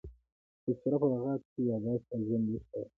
تذکره په لغت کښي یاداشت او ژوند لیک ته وايي.